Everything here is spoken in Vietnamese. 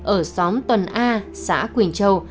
ở xóm tuần a xã quỳnh châu